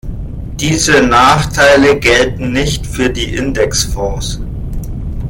Diese Nachteile gelten nicht für die Indexfonds.